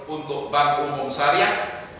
untuk bank umum syariah